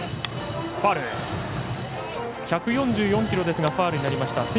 １４４キロですがファウルになりました。